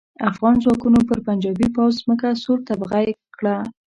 افغان ځواکونو پر پنجاپي پوځ ځمکه سور تبخی کړه.